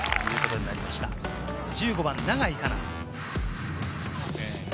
１５番、永井花奈。